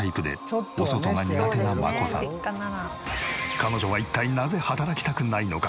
彼女は一体なぜ働きたくないのか？